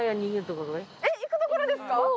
行くところですか？